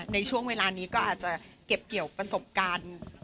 ในช่วงเวลานี้ก็อาจจะเก็บเกี่ยวประสบการณ์